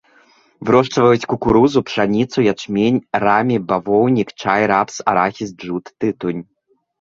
Вырошчваюць кукурузу, пшаніцу, ячмень, рамі, бавоўнік, чай, рапс, арахіс, джут, тытунь.